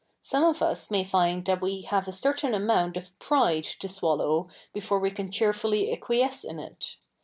Some of us may fifid that we have a certai?i amount of pride to szvallow before zve can cheerfully acquiesce i?i it.